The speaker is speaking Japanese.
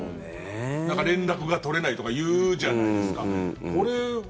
連絡が取れないとかいうじゃないですか。